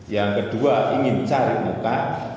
yang kedua ingin cari muka